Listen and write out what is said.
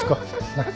なっ？